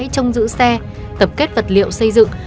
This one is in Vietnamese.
các bãi trong giữ xe tập kết vật liệu xây dựng